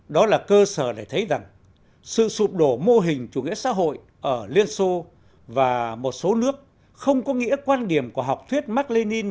đó là cơ sở để thấy rằng sự sụp đổ mô hình chủ nghĩa xã hội ở liên xô và một số nước không có nghĩa quan điểm của học thuyết mark lenin